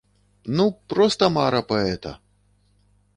Ну, проста мара паэта!